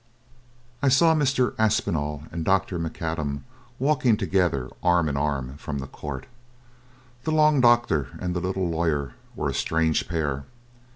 I saw Mr. Aspinall and Dr. Macadam walking together arm in arm from the court. The long doctor and the little lawyer were a strange pair.